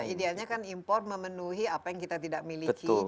idealnya kan impor memenuhi apa yang kita tidak miliki